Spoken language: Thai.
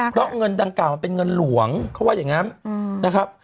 เพราะเงินดังกล่าวมันเป็นเงินหลวงเขาว่าอย่างนั้นนะครับ